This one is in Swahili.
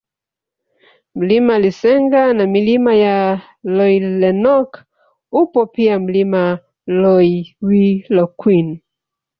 Mlima Lisenga na Milima ya Loilenok upo pia Mlima Loiwilokwin